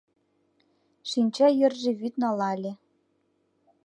Шинча йырже вӱд налале.